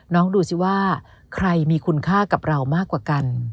ดูสิว่าใครมีคุณค่ากับเรามากกว่ากัน